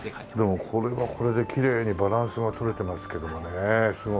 でもこれはこれできれいにバランスが取れてますけどもねすごく。